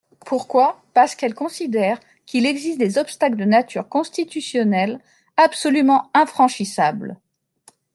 Pourquoi ? Parce qu’elles considèrent qu’il existe des obstacles de nature constitutionnelle absolument infranchissables.